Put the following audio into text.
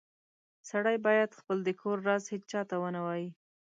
سړی باید خپل د کور راز هیچاته و نه وایې